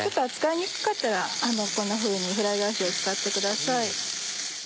にくかったらこんなふうにフライ返しを使ってください。